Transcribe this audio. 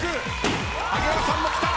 萩原さんもきた！